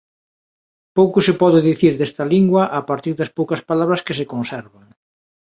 Pouco se pode dicir desta lingua a partir das poucas palabras que se conservan.